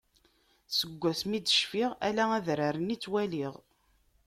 Seg asmi d-cfiɣ ala adrar-nni i ttwaliɣ.